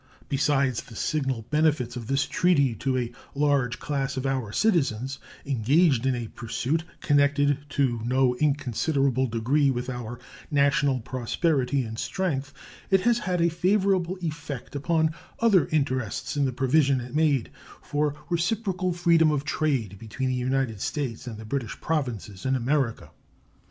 Besides the signal benefits of this treaty to a large class of our citizens engaged in a pursuit connected to no inconsiderable degree with our national prosperity and strength, it has had a favorable effect upon other interests in the provision it made for reciprocal freedom of trade between the United States and the British Provinces in America.